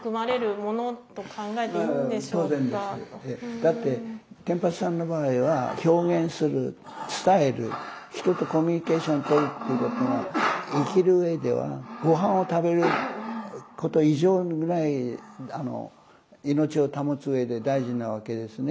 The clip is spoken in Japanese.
だって天畠さんの場合は表現する伝える人とコミュニケーションを取るっていうことが生きる上ではごはんを食べること以上ぐらい命を保つ上で大事なわけですね。